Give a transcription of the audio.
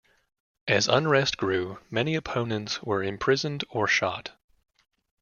As unrest grew, many opponents were imprisoned or shot.